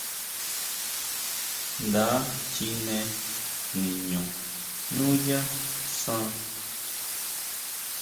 Nda chine niño nuyá san.